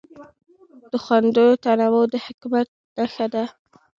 د خوندونو تنوع د حکمت نښه ده.